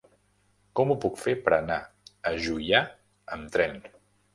Com ho puc fer per anar a Juià amb tren?